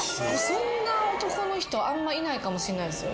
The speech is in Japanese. そんな男の人あんまいないかもしれないですよ。